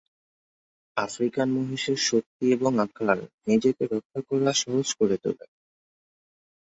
African মহিষের শক্তি এবং আকার নিজেকে রক্ষা করা সহজ করে তোলে।